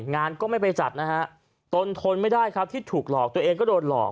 งานก็ไม่ไปจัดนะฮะตนทนไม่ได้ครับที่ถูกหลอกตัวเองก็โดนหลอก